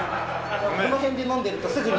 この辺で飲んでるとすぐに。